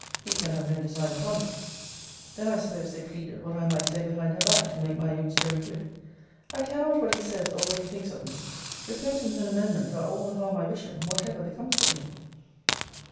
He can have no design upon you.' Then I suppose they pleaded what I might say behind her back, to make my own story good: 'I care not what he says or what he thinks of me. Repentance and amendment are all the harm I wish him, whatever becomes of me!'